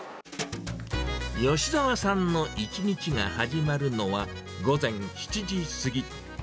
吉澤さんの一日が始まるのは、午前７時過ぎ。